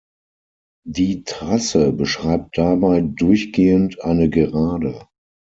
Die Trasse beschreibt dabei durchgehend ein Gerade.